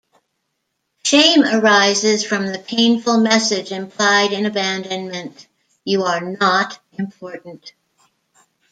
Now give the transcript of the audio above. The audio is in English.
Shame arises from the painful message implied in abandonment: You are not important.